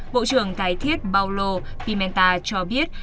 bộ trưởng tái thiết paulo pimenta cho biết